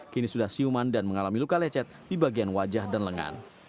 kini sudah siuman dan mengalami luka lecet di bagian wajah dan lengan